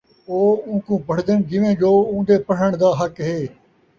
او اُوکوں پڑھدن جیویں جو اُون٘دے پڑھݨ دا حق ہے ،